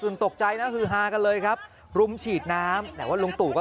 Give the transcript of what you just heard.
ตกใจนะฮือฮากันเลยครับรุมฉีดน้ำแต่ว่าลุงตู่ก็